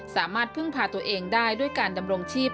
สามารถพึ่งพาตัวเองได้ด้วยการดำรงชีพ